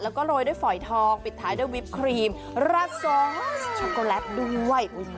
แล้วก็โรยด้วยฝอยทองปิดท้ายด้วยวิปครีมราดซอสช็อกโกแลตด้วย